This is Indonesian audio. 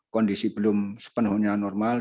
kondisi belum sepenuhnya normal